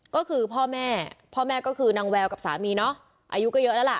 ก็คือพ่อแม่พ่อแม่ก็คือนางแววกับสามีเนาะอายุก็เยอะแล้วล่ะ